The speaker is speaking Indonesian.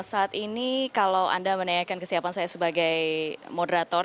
saat ini kalau anda menanyakan kesiapan saya sebagai moderator